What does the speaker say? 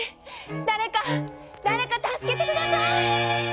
誰か誰か助けて下さい！